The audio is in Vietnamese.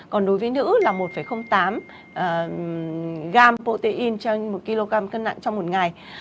còn đối với nữ là một tám gram protein cho một kg cân nặng trong một ngày